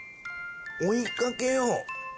「追いかけよう」